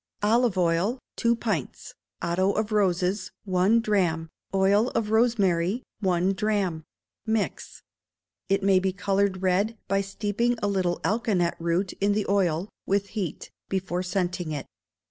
Olive oil, two pints; otto of roses, one drachm; oil of rosemary, one drachm: mix. It may be coloured red by steeping a little alkanet root in the oil (with heat) before scenting it.